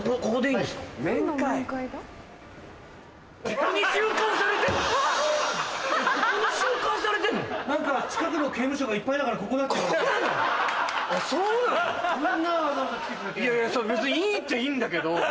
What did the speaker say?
いやいやそんな別にいいっちゃいいんだけど。